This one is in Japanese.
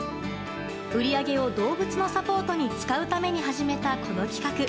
売り上げを動物のサポートに使うために始めた、この企画。